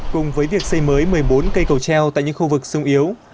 cùng với việc xây mới một mươi bốn cây cầu treo tại những khu vực sung yếu